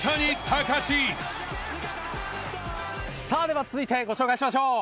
では続いてご紹介しましょう。